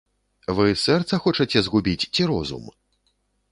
Вы сэрца хочаце згубіць, ці розум?